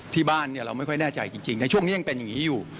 ที่บ้านเราไม่ค่อยแน่ใจจริงในช่วงนี้ยังเป็นอย่างนี้อยู่